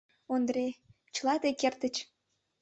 — Ондре, чыла тый кертыч!